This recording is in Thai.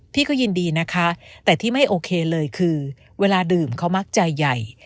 พี่ก็ยินดีนะคะแต่ที่ไม่โอเคเลยคือเวลาดื่มเขามักจะใหญ่